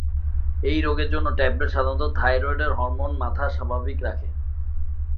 এই রোগের জন্য ট্যাবলেট সাধারণত থাইরয়েড হরমোন মাত্রা স্বাভাবিক রাখে।